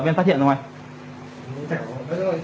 chẳng có chuyên cung của nó đâu